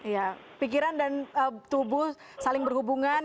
ya pikiran dan tubuh saling berhubungan